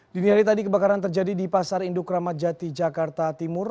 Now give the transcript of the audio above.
dini hari tadi kebakaran terjadi di pasar induk ramadjati jakarta timur